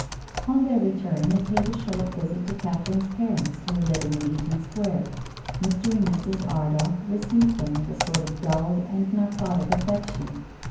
On their return they paid a short visit to Catherine's parents, who were living in Eaton Square. Mr. and Mrs. Ardagh received them with a sort of dulled and narcotic affection.